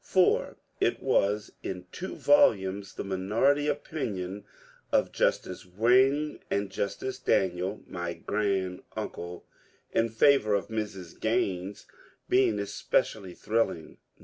For it was in two volumes, the minority opinion of Justice Wayne and Justice Daniel (my grand uncle) in favour of Mr8.Gttine8 being especially thrilling.